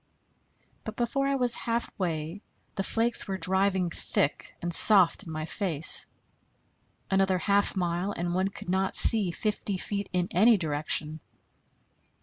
But before I was halfway the flakes were driving thick and soft in my face. Another half mile, and one could not see fifty feet in any direction.